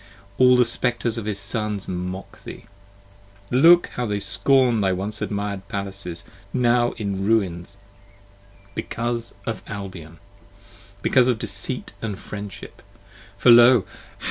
all the Spectres of his Sons mock thee; Look how they scorn thy once admired palaces, now in ruins Because of Albion; because of deceit and friendship; For Lo!